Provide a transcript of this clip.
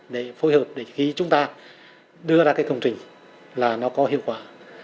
để phối hợp để khi chúng ta đưa ra cái công trình là nó có hiệu quả